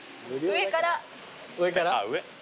上から？